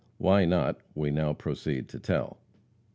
Why not we now proceed to tell.